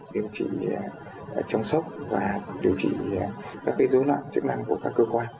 điều trị chống sốc và điều trị các dối loạn chức nặng của các cơ quan